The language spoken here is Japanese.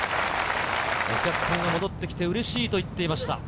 お客さんが戻ってきてうれしいと言っていました。